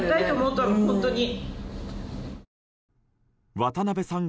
渡辺さん